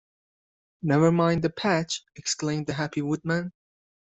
"Never mind the patch," exclaimed the happy Woodman.